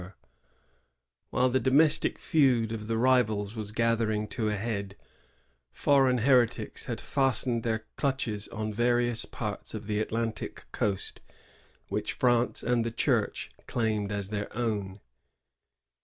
15 While the domestic feud of the rivals was gather ing to a head, foreign heretics had fastened their clutches on various parts of the Atlantic coast which France and the Church claimed as their own.